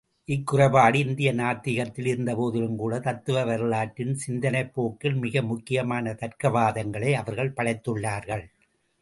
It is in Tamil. இக்குறைபாடு இந்திய நாத்திகத்தில் இருந்தபோதிலும் கூட, தத்துவ வரலாற்றின் சிந்தனைப்போக்கில் மிக முக்கியமான தர்க்க வாதங்களை அவர்கள் படைத்துள்ளார்கள்.